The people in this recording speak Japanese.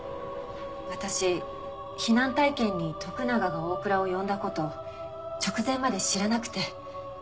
私避難体験に徳永が大倉を呼んだ事直前まで知らなくて。